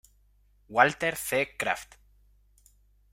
Walter C. Kraft.